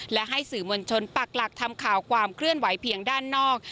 และให้สื่อมวลชนปักหลักทำข่าวความเคลื่อนไหวเพียงด้านนอก